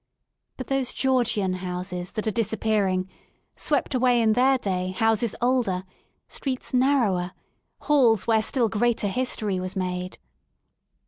But those Georgian houses that are disappear ing, swept away in their day houses older, streets narrower, halls where still greater history was made.